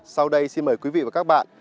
sau đây xin mời quý vị và các bạn